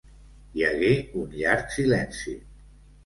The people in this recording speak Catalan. Hi hagué un llarg silenci.